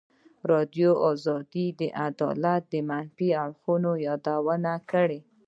ازادي راډیو د عدالت د منفي اړخونو یادونه کړې.